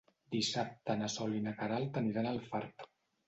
Dissabte na Sol i na Queralt aniran a Alfarb.